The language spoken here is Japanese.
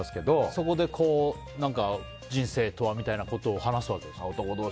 そこで、人生とはみたいなことを話すわけですか。